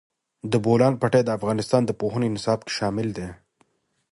د بولان پټي د افغانستان د پوهنې نصاب کې شامل دي.